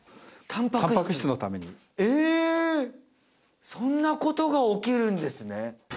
たんぱく質のためにえそんなことが起きるんですね